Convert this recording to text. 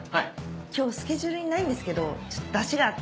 今日スケジュールにないんですけど出しがあって。